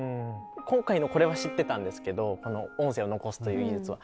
今回のこれは知ってたんですけどこの音声を残すという技術は。